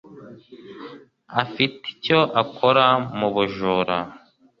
Afite icyo akora mubujura